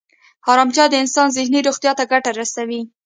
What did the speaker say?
ارامتیا د انسان ذهني روغتیا ته ګټه رسوي.